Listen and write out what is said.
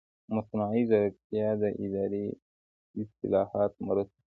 مصنوعي ځیرکتیا د اداري اصلاحاتو مرسته کوي.